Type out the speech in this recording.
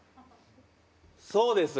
そうです。